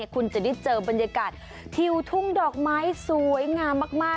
คุณจะได้เจอบรรยากาศทิวทุ่งดอกไม้สวยงามมาก